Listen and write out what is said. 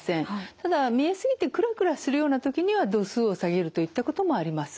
ただ見え過ぎてくらくらするような時には度数を下げるといったこともあります。